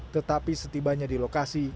tetapi setibanya di lokasi